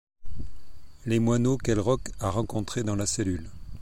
Les moineaux qu'Elrock a rencontrés dans la cellule.